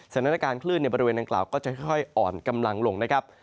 สถานการณ์คลื่นในบริเวณดังกล่าวก็จะค่อยอ่อนกำลังลงนะครับ